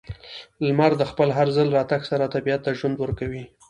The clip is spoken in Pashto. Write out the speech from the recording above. •لمر د خپل هر ځل راتګ سره طبیعت ته ژوند ورکوي.